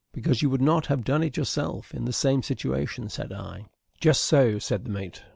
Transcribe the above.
"Because you would not have done it yourself in the same situation," said I. "Just so," said the mate.